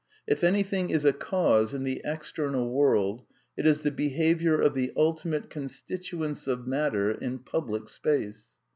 If any thing is a " cause '* in the external world it is the be haviour of the ultimate constituents of matter in " pub lic " space.